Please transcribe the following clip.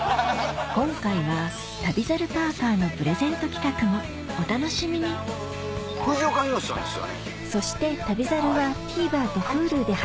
今回は旅猿パーカーのプレゼント企画もお楽しみに藤岡弘、さんですよね？